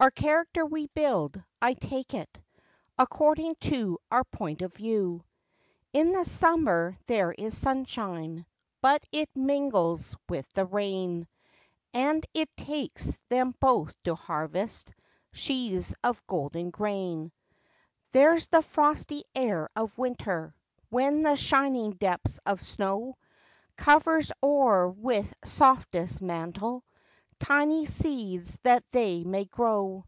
Our character we build, I take it According to our point of view. In the summer there is sunshine, But it mingles with the rain, And it takes them both to harvest Sheaves of golden grain. There's the frosty air of winter, When the shining depths of snow Covers o'er with softest mantle, Tiny seeds that they may grow.